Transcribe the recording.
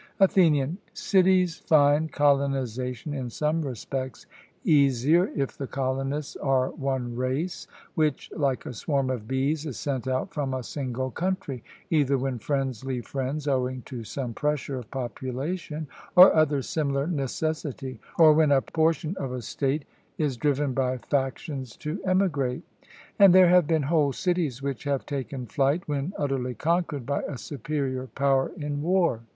ATHENIAN: Cities find colonization in some respects easier if the colonists are one race, which like a swarm of bees is sent out from a single country, either when friends leave friends, owing to some pressure of population or other similar necessity, or when a portion of a state is driven by factions to emigrate. And there have been whole cities which have taken flight when utterly conquered by a superior power in war.